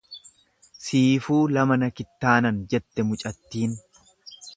"""Siifuu lama na kittaanan"" jette mucattiin."